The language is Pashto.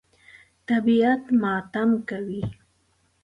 طبیعت ماتم کوي.